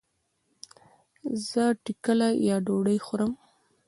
زه ټکله يا ډوډي خورم